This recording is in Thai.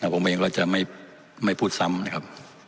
ผมเองก็จะไม่พูดซ้ำ